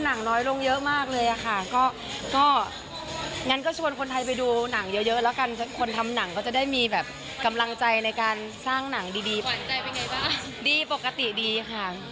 ในการสร้างหนังดีดีปกติดีค่ะ